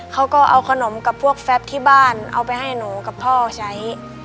เขาก็เอาขนมกับพวกแฟบที่บ้านเอาไปให้หนูกับพ่อใช้